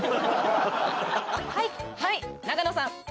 はいはい永野さん